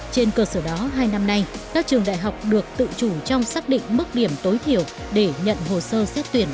trên cơ sở đó hai năm nay các trường đại học được tự chủ trong xác định mức điểm tối thiểu để nhận hồ sơ xét tuyển